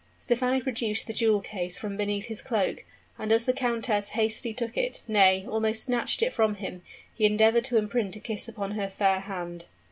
Stephano produced the jewel case from beneath his cloak; and as the countess hastily took it nay, almost snatched it from him, he endeavored to imprint a kiss upon her fair hand.